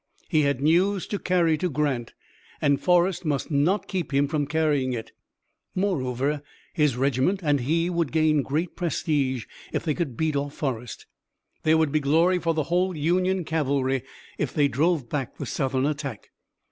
He had news to carry to Grant, and Forrest must not keep him from carrying it. Moreover, his regiment and he would gain great prestige if they could beat off Forrest. There would be glory for the whole Union cavalry if they drove back the Southern attack.